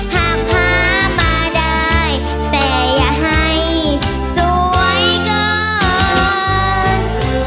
หากพามาได้แต่อย่าให้สวยเกิน